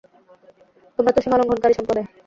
তোমরা তো সীমালংঘনকারী সম্প্রদায়।